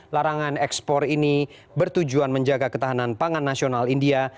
larangan ekspor ini bertujuan menjaga ketahanan pangan nasional india